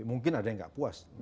mungkin ada yang nggak puas